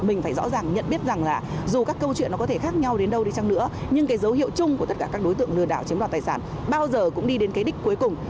mình phải rõ ràng nhận biết rằng là dù các câu chuyện nó có thể khác nhau đến đâu đi chăng nữa nhưng cái dấu hiệu chung của tất cả các đối tượng lừa đảo chiếm đoạt tài sản bao giờ cũng đi đến cái đích cuối cùng